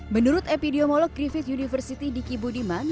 menurut epidemiolog griffith university di kibudiman